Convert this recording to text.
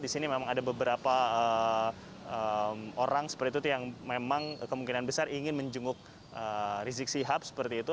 di sini memang ada beberapa orang seperti itu yang memang kemungkinan besar ingin menjenguk rizik sihab seperti itu